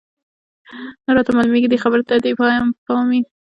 نه راته معلومېږي، دې خبرې ته دې باید پام وي.